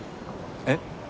えっ？